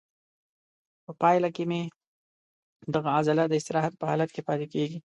په پایله کې دغه عضله د استراحت په حالت کې پاتې کېږي.